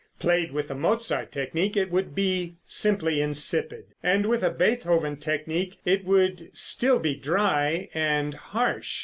Played with the Mozart technique it would be simply insipid, and with a Beethoven technique it would still be dry and harsh.